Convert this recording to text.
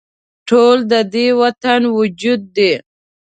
ټول د دې وطن وجود دي